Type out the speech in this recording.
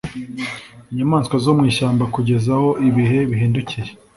inyamaswa zo mu ishyamba kugeza aho ibihe bihindukiye